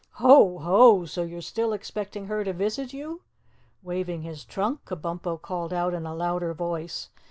"Ho, Ho! So you're still expecting her to visit you?" Waving his trunk, Kabumpo called out in a louder voice.